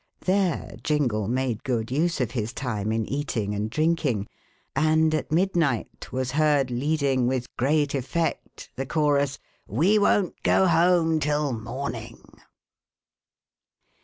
There Jingle made good use of his time in eating and drinking, and at midnight was heard leading with great effect the chorus: "We won't go home till morning."